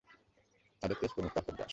তাদের তেজ কমুক, তারপর যাস।